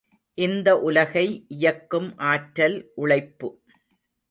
இந்த உலகை இயக்கும் ஆற்றல் உழைப்பு.